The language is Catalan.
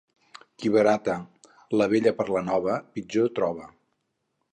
Qui barata la vella per la nova, pitjor troba.